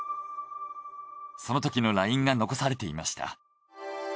そのときのＬＩＮＥが残されていました。